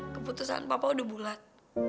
keputusan papa udah bulat